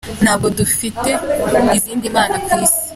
Ntabwo dufite izindi mana ku isi.